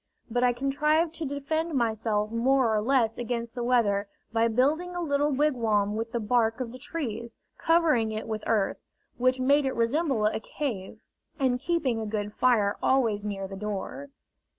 But I contrived to defend myself more or less against the weather by building a little wigwam with the bark of the trees, covering it with earth, which made it resemble a cave, and keeping a good fire always near the door.